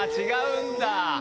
⁉違うんだ。